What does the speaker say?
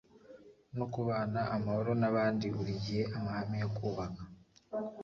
no kubana amahoro n abandi buri gihe amahame yo kubaka